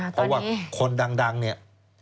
เพราะว่าคนดังเนี่ย